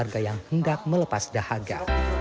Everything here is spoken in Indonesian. warga yang hendak melepas dahaga